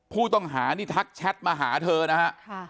ผู้ต้องหานี่ทักแชทมาหาเธอนะฮะ